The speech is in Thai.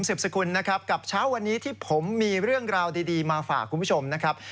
สิบสกุลนะครับกับเช้าวันนี้ที่ผมมีเรื่องราวดีมาฝากคุณผู้ชมนะครับ